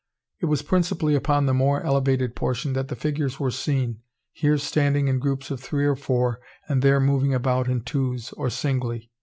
It was principally upon the more elevated portion that the figures were seen, here standing in groups of three or four, and there moving about in twos, or singly.